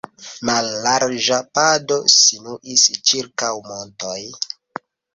Mallarĝa pado sinuis ĉirkaŭ montoj.